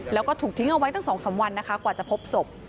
แล้วก็ถูกทิ้งเอาไว้ตั้ง๒๓วันนะคะกว่าจะพบศพ